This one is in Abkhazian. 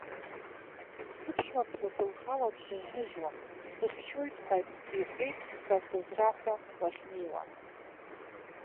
Сыԥшәмаԥҳәыс лхала дсызныжьуам, дсыхьчоит ҳәа иҳәеит ҳәа сызраҳәа уахьнеиуа.